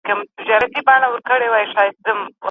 اوس ډېر کډوال بېرته خپل هېواد ته ستنیږي.